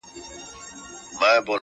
نه به سر ته وي امان د غریبانو!